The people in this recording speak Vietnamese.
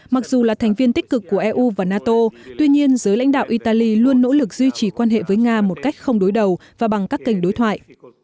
mặc dù là thành viên tích cực của eu và nato tuy nhiên giới lãnh đạo italy luôn nỗ lực duy trì quan hệ với nga một cách không đối đầu và bằng các kênh đối thoại